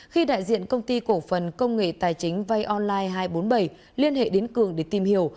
khi đại diện công ty cổ phần công nghệ tài chính vay online hai trăm bốn mươi bảy liên hệ đến cường để tìm hiểu